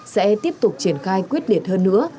sẽ tiếp tục triển khai quyết liệt hơn nữa